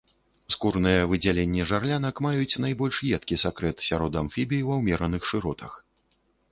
Скурныя выдзяленні жарлянак маюць найбольш едкі сакрэт сярод амфібій ва ўмераных шыротах.